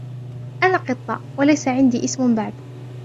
أنا قطة ، وليس عندي اسم بعد.